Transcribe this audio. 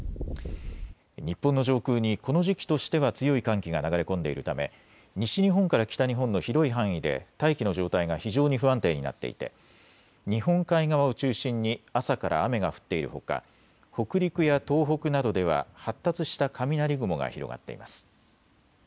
日本の上空にこの時期としては強い寒気が流れ込んでいるため西日本から北日本の広い範囲で大気の状態が非常に不安定になっていて日本海側を中心に朝から雨が降っているほか北陸や東北などでは発達した雷雲が広がっています。